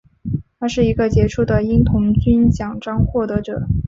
他是一个杰出的鹰童军奖章获得者。